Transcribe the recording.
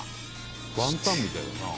ワンタンみたいだな。